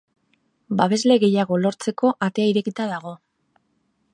Babesle gehiago lortzeko atea irekita dago.